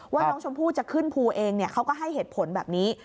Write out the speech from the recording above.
ว่าน้องชมพู่จะขึ้นภูเองเขาก็ให้เหตุผลแบบนี้